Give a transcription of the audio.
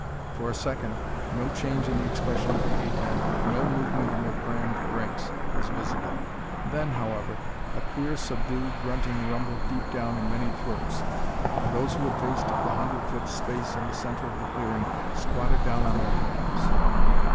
For a second, no change in the expression of the ape men, no movement in their crammed ranks, was visible. Then, however, a queer, subdued grunting rumbled deep down in many throats, and those who had faced the hundred foot space in the center of the clearing squatted down on their hams.